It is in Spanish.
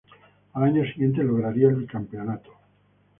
Al año siguiente lograría el bicampeonato.